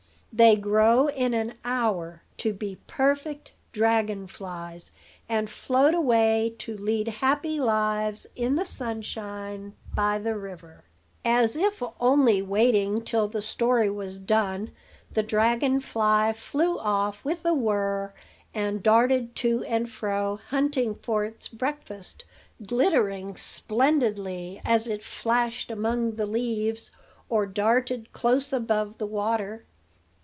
They grow in an hour to be perfect dragon flies, and float away to lead happy lives in the sunshine by the river." As if only waiting till the story was done, the dragon fly flew off with a whirr, and darted to and fro, hunting for its breakfast, glittering splendidly as it flashed among the leaves or darted close above the water.